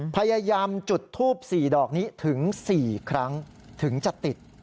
พยายามจุดทูป๔ดอกนี้ถึง๔ครั้งถึงจะติด